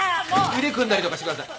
腕組んだりとかしてください。